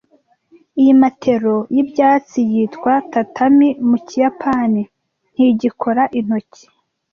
Iyi matelo y'ibyatsi, yitwa "tatami" mu Kiyapani, ntigikora intoki.